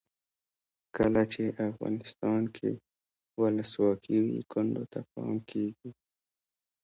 کله چې افغانستان کې ولسواکي وي کونډو ته پام کیږي.